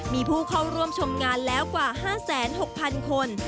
มีผู้เข้าร่วมชมงานแล้วกว่า๕๖๐๐๐คน